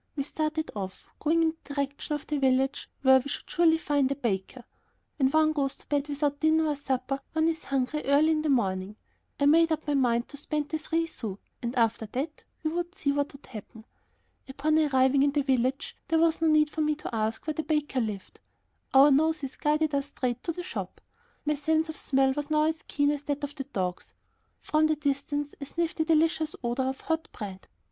We started off, going in the direction of the village where we should surely find a baker: when one goes to bed without dinner or supper one is hungry early in the morning. I made up my mind to spend the three sous, and after that we would see what would happen. Upon arriving in the village there was no need for me to ask where the baker lived; our noses guided us straight to the shop. My sense of smell was now as keen as that of my dogs. From the distance I sniffed the delicious odor of hot bread.